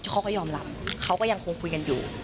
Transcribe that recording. เขาก็ยอมรับเขาก็ยังคงคุยกันอยู่